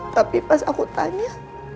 tapi pas aku tanya